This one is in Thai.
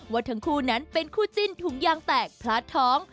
ว่าทั้งคู่นั้นเป็นคู่จิ้นถุงยางแตกพลาดท้อง